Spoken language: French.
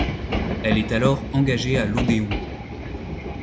Elle est alors engagée à l'Odéon.